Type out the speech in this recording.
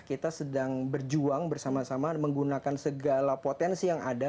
kita sedang berjuang bersama sama menggunakan segala potensi yang ada